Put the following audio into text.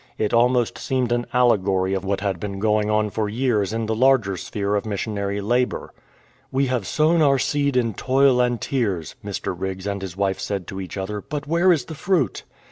It almost seemed an allegory of what had been going on for years in the larger sphere of missionary labour. " We have sown our seed in toil and tears," Mr. Biggs and his wife said to each other, " but where is the fruit